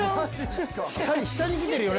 下にきてるよね。